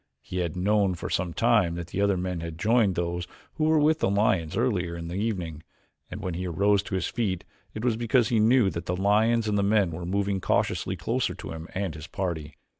He had known for some time that other men had joined those who were with the lions earlier in the evening, and when he arose to his feet it was because he knew that the lions and the men were moving cautiously closer to him and his party.